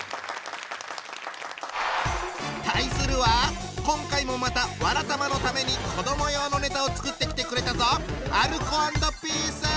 対するは今回もまた「わらたま」のために子ども用のネタを作ってきてくれたぞ。